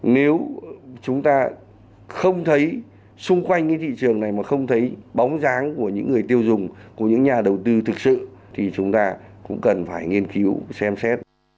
nếu chúng ta không thấy xung quanh cái thị trường này mà không thấy bóng dáng của những người tiêu dùng của những nhà đầu tư thực sự thì chúng ta cũng cần phải nghiên cứu xem xét